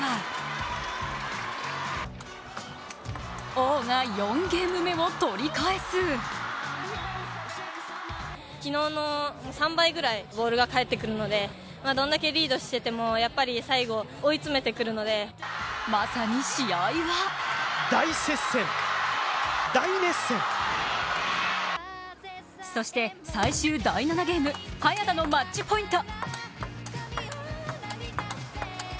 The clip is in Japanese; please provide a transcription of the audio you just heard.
早田が３ゲーム目を取ればまさに試合はそして最終第７ゲーム、早田のマッチポイント。